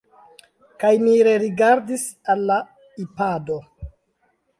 Kaj mi rerigardis al la Ipado.